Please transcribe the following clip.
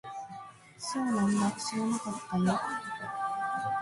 そうなんだ。知らなかったよ。